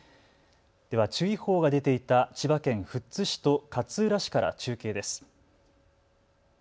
では注意報が出ていた千葉県富津市と勝浦市から中継です。